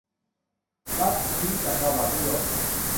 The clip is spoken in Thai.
ลัทธิจักรวรรดินิยม